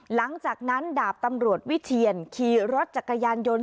หลังจากนั้นดาบตำรวจวิเทียนขี่รถจักรยานยนต์